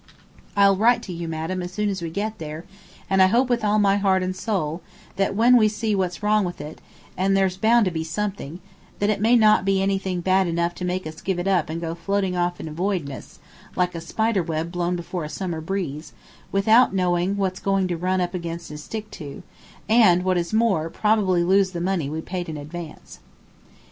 I'll write to you, madam, as soon as we get there, and I hope with all my heart and soul that when we see what's wrong with it and there's bound to be something that it may not be anything bad enough to make us give it up and go floating off in voidness, like a spider web blown before a summer breeze, without knowing what it's going to run against and stick to, and, what is more, probably lose the money we paid in advance.